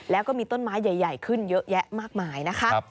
แล้วก็มีต้นไม้ใหญ่ขึ้นเยอะแยะมากมายนะคะ